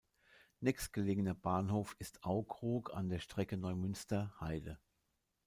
Nächstgelegener Bahnhof ist Aukrug an der Strecke Neumünster–Heide.